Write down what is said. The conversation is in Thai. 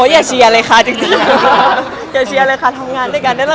อย่าเชียร์เลยค่ะจริงอย่าเชียร์เลยค่ะทำงานด้วยกันได้ไหมล่ะ